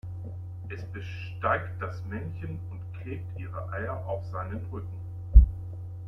Es besteigt das Männchen und klebt ihre Eier auf seinen Rücken.